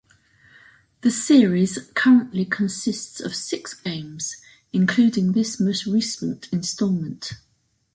The series currently consists of six games, including this most recent installment.